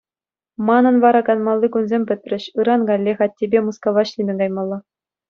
Манӑн вара канмалли кунсем пӗтрӗҫ, ыран каллех аттепе Мускава ӗҫлеме каймалла.